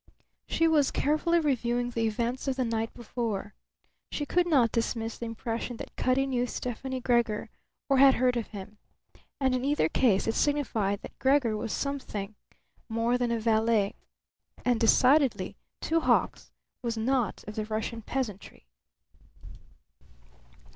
She was carefully reviewing the events of the night before. She could not dismiss the impression that Cutty knew Stefani Gregor or had heard of him; and in either case it signified that Gregor was something more than a valet. And decidedly Two Hawks was not of the Russian peasantry.